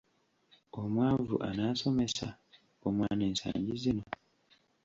Omwavu anaasomesa omwana ensangi zino?